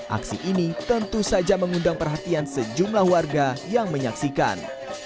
aksi ini tentu saja mengundang perhatian sejumlah warga yang menyaksikan